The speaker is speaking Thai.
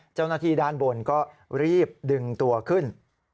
เจ้าหน้าที่ด้านบนก็รีบดึงตัวขึ้น